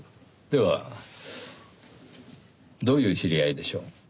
ではどういう知り合いでしょう？